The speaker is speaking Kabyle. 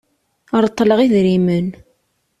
Reṭṭleɣ idrimen.